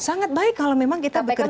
sangat baik kalau memang kita bekerja